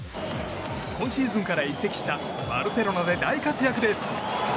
今シーズンから移籍したバルセロナで大活躍です。